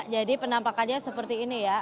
jadi penampakannya seperti ini ya